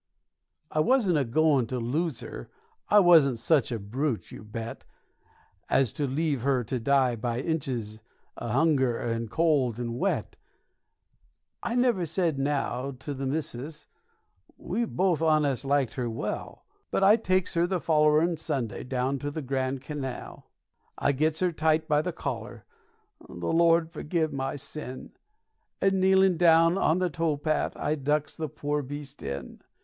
I wasn't a goin' to lose her, I warn't such a brute, you bet, As to leave her to die by inches o' hunger, and cold, and wet; I never said now't to the missus we both on us liked her well But I takes her the follerin' Sunday down to the Grand Canell. I gets her tight by the collar the Lord forgive my sin! And, kneelin' down on the towpath, I ducks the poor beast in.